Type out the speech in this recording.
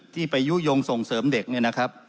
ที่ไปยู่ยงส่งเสริมเด็ก